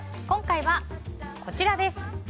今回はこちらです。